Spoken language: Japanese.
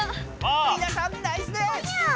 みなさんナイスです！